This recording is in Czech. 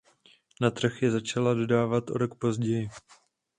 Na trh je začala dodávat o rok později.